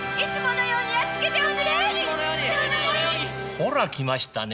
ほら来ましたね。